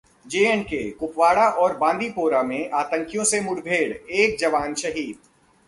J-K: Kupwara और बांदीपोरा में आतंकियों से मुठभेड़, एक जवान शहीद